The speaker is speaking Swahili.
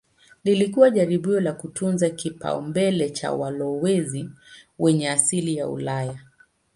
Lilikuwa jaribio la kutunza kipaumbele cha walowezi wenye asili ya Ulaya.